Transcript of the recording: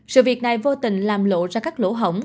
sự việc này vô tình làm lộ ra các lỗ hỏng